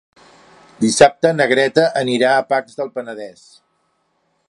Dissabte na Greta anirà a Pacs del Penedès.